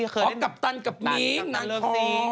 อ๋อกัปตันกับมี๊งน้องท้อง